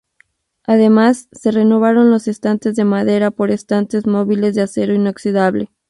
Además, se renovaron los estantes de madera por estantes móviles de acero inoxidable.